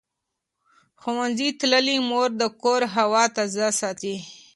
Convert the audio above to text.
ښوونځې تللې مور د کور هوا تازه ساتي.